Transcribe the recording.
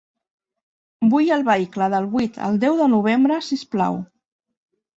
Vull el vehicle del vuit al deu de novembre si us plau.